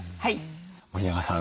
森永さん